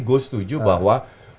gue setuju bahwa